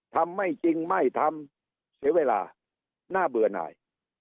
ไม่จริงไม่ทำเสียเวลาน่าเบื่อหน่าย